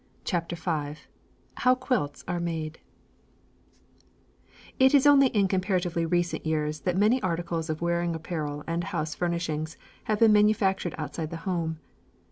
CHAPTER V HOW QUILTS ARE MADE It is only in comparatively recent years that many articles of wearing apparel and house furnishings have been manufactured outside the home.